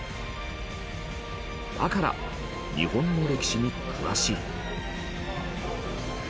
だから日本の歴史に詳しい。